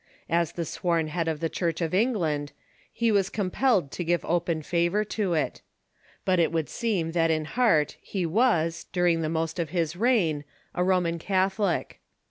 As the sworn head of the Church of England, he was compelled to give open favor to it. But it would seem that in heart he was, during the most of his reign, a Roman Catholic.